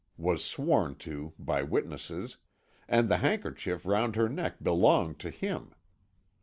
was sworn to by witnesses; and the handkerchief round her neck belonged to him.